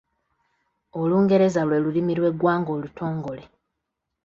Olungereza lwe lulimi lw’eggwanga olutongole.